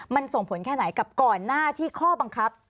มันส่งผลแค่ไหนกับก่อนหน้าที่ข้อบังคับ